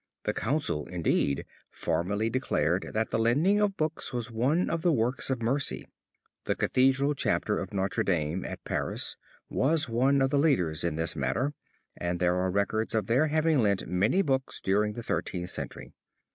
The council, indeed, formally declared that the lending of books was one of the works of mercy. The Cathedral chapter of Notre Dame at Paris was one of the leaders in this matter and there are records of their having lent many books during the Thirteenth Century.